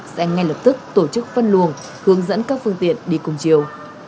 sẽ ngay lập tức tổ chức phân luồng hướng dẫn các phương tiện đi cùng chiều